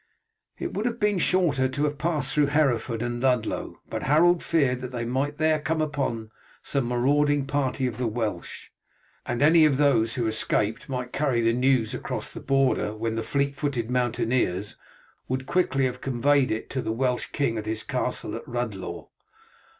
It would have been shorter to have passed through Hereford and Ludlow, but Harold feared that they might there come upon some marauding party of the Welsh, and any of these who escaped might carry the news across the border, when the fleet footed mountaineers would quickly have conveyed it to the Welsh king at his castle at Rhuddlaw.